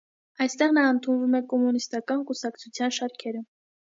Այնտեղ նա ընդունվում է կոմունիստական կուսակցության շարքերը։